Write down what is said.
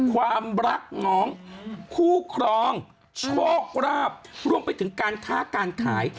ความรักน้องคู่ครองโชคราบรวมไปถึงการค้าการขาย